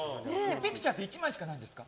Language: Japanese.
ピクチャーって１枚しかないんですか？